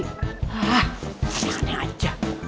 hah panik panik aja